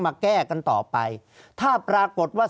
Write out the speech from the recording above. ภารกิจสรรค์ภารกิจสรรค์